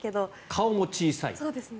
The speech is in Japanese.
顔も小さい。